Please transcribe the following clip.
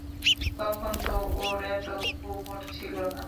তখন তো ওর এত গুমর ছিল না।